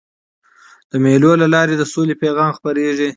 د مېلو له لاري د سولي پیغام خپرېږي.